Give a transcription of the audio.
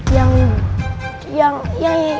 yang yang yang